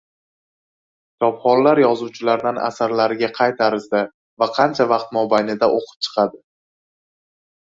Kitobxonlar yozuvchilardan asarlariga qay tarzda va qancha vaqt mobaynida o'qib chiqadi.